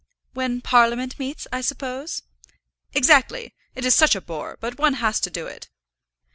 "When Parliament meets, I suppose?" "Exactly. It is such a bore; but one has to do it."